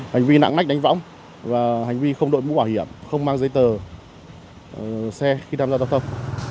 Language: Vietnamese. hành vi nặng nách đánh võng và hành vi không đổi bỏ hiểm không mang giấy tờ xe khi tham gia giao thông